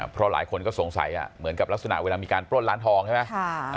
เพราะหลายคนก็สงสัยเหมือนกับลักษณะเวลามีการปล้นร้านทองใช่ไหม